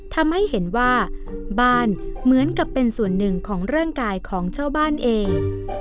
ทำให้เห็นว่าบ้านเหมือนกับเป็นส่วนหนึ่งของร่างกายของชาวบ้านเอง